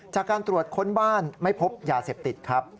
จากการตรวจค้นบ้านไม่พบยาเสพติดครับ